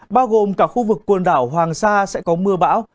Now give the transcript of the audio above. bao gồm cả khu vực quần đảo hoàng sa sẽ có mưa bão